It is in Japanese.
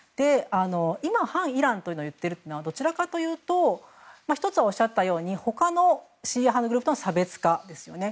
今、反イランといっているのはどちらかというと１つは、おっしゃったように他のシーア派のグループとの差別化ですよね。